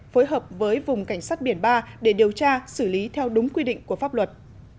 phối hợp với vùng cảnh sát biển ba để điều tra xử lý theo đúng quy định của pháp luật